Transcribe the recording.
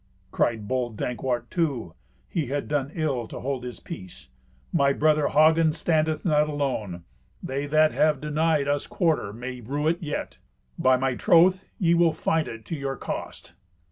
Cried bold Dankwart too (he had done ill to hold his peace), "My brother Hagen standeth not alone. They that have denied us quarter may rue it yet. By my troth, ye will find it to your cost."